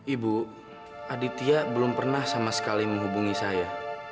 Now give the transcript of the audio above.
ibu aditya belum pernah sama sekali menghubungi saya